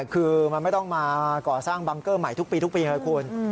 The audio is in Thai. คือมันไม่ต้องมาก่อสร้างบังเกอร์ใหม่ทุกปีทุกปีเลยคุณ